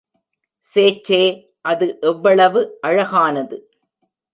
சேச்சே, அது எவ்வளவு அழகானது!